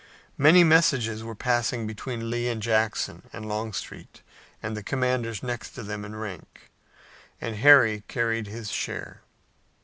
Many messages were passing between Lee and Jackson and Longstreet and the commanders next to them in rank, and Harry carried his share.